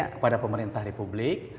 kepada pemerintah republik